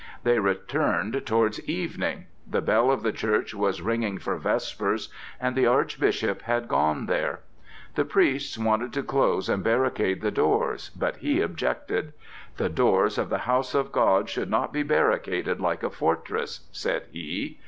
They returned toward evening. The bell of the church was ringing for vespers, and the Archbishop had gone there. The priests wanted to close and barricade the doors, but he objected. "The doors of the house of God should not be barricaded like a fortress!" said he.